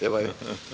ya pak ya